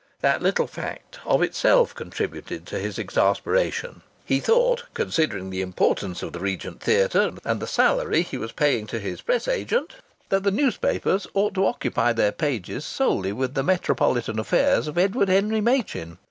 That little fact of itself contributed to his exasperation. He thought, considering the importance of the Regent Theatre and the salary he was paying to his press agent, that the newspapers ought to occupy their pages solely with the metropolitan affairs of Edward Henry Machin.